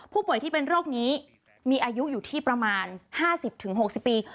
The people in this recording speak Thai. ผู้ป่วยที่เป็นโรคนี้มีอายุอยู่ที่ประมาณ๕๐๖๐ปี